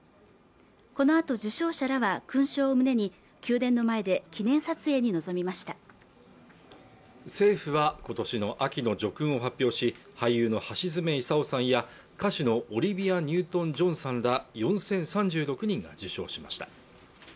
このあと受章者らは勲章を胸に宮殿の前で記念撮影に臨みました政府は今年の秋の叙勲を発表し俳優の橋爪功さんや歌手のオリビア・ニュートン・ジョンさんら４０３６人が受章しました